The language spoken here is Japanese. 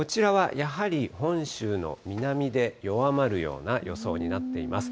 こちらはやはり、本州の南で弱まるような予想になっています。